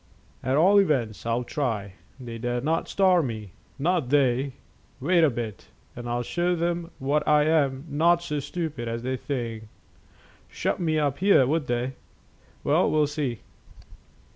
At all events, I'll try. They dare not starve me: not they. Wait a bit, and I'll show them that I'm not so stupid as they think. Shut me up here, would they? Well, we'll see!"